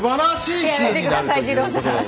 やめて下さい二朗さん。